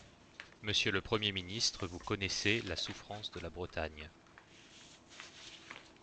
Monsieur le Premier Ministre, vous connaissez la souffrance de la Bretagne.